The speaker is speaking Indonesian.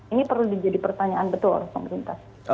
ini perlu menjadi pertanyaan betul oleh pemerintah